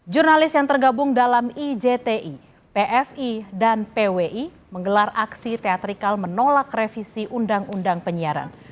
jurnalis yang tergabung dalam ijti pfi dan pwi menggelar aksi teatrikal menolak revisi undang undang penyiaran